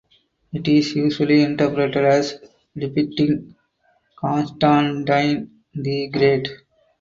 It is usually interpreted as depicting Constantine the Great.